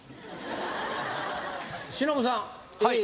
忍さん